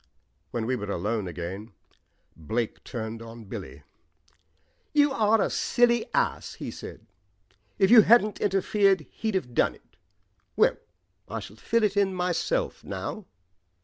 When we were alone again Blake turned on Billy. "You are a silly ass," he said. "If you hadn't interfered, he'd have done it. Well, I shall fill it in myself now."